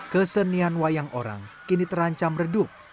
kesenian wayang orang kini terancam redup